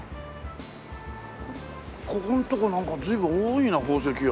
ここんとこなんか随分多いな宝石屋。